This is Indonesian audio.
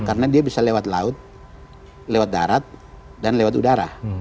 karena dia bisa lewat laut lewat darat dan lewat udara